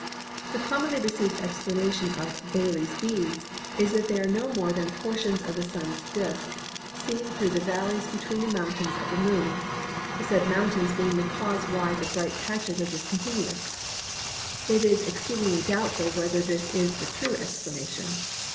The commonly received explanation of "Baily's Beads" is that they are no more than portions of the Sun's disc, seen through valleys between mountains of the Moon, the said mountains being the cause why the bright patches are discontinuous. It is exceedingly doubtful whether this is the true explanation.